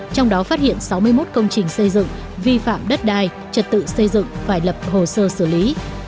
trong đó phát hiện sáu mươi một công trình xây dựng vi phạm đất đai trật tự xây dựng phải lập hồ sơ xử lý